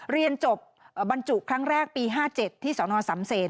เรียนจบบรรจุครั้งแรกปี๕๗ที่สนสำเศษ